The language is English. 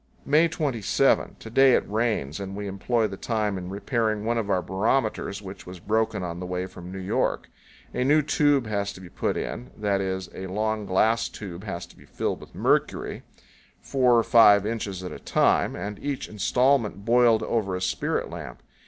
May 27. To day it rains, and we employ the time in repairing one of our barometers, which was broken on the way from New York. A new tube has to be put in; that is, a long glass tube has to be filled with mercury, four or five inches at a time, and each installment boiled powell canyons 87.jpg OUR GUIDE'S BOY. over a spirit lamp.